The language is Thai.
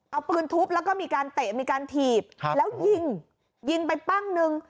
เอาปืนทุบแล้วก็มีการเตะมีการถีบแล้วยิงยิงไปปั้งนึง